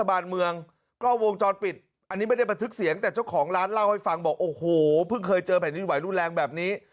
อันนี้ไม่ได้บันทึกเสียงแต่เจ้าของร้านเล่าให้ฟังบอกโอ้โหเพิ่งเคยเจอแผ่นดินไหวรุนแรงแบบนี้